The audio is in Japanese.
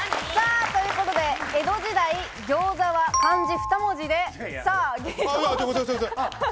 江戸時代、餃子は漢字ふた文字で。